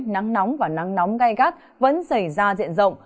nắng nóng và nắng nóng gai gắt vẫn xảy ra diện rộng